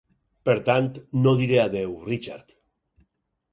Per tant, no diré adeu, Richard.